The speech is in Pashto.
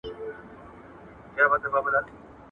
خلګ ګډ ژوند کله پخپل تاوان ګڼي؟